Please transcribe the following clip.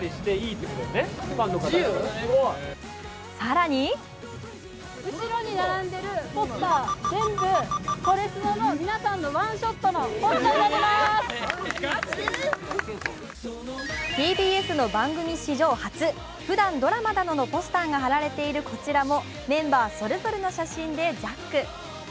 更にＴＢＳの番組史上初、ふだんドラマなどのポスターが貼られているこちらもメンバーそれぞれの写真でジャック。